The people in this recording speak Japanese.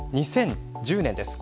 ２０１０年です。